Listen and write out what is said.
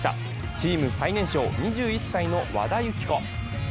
チーム最年少２１歳の和田由紀子。